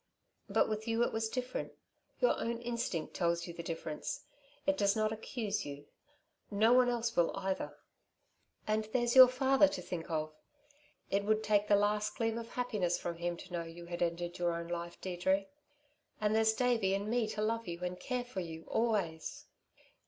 "But with you it was different. Your own instinct tells you the difference. It does not accuse you. No one else will, either. And there's your father to think of. It would take the last gleam of happiness from him to know you had ended your own life, Deirdre. And there's Davey and me to love you and care for you, always."